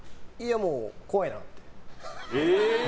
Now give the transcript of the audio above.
もう、怖いなって。